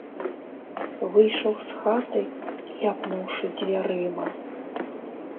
Выйшаў з хаты, ляпнуўшы дзвярыма.